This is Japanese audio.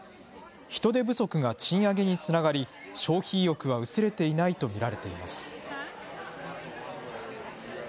人手不足が賃上げにつながり、消費意欲は薄れていないと見られています。